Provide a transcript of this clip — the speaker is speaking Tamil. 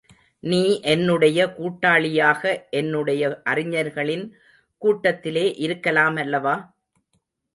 நீ என்னுடைய கூட்டாளியாக என்னுடைய அறிஞர்களின் கூட்டத்திலே இருக்கலாமல்லவா?